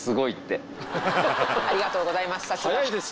ありがとうございます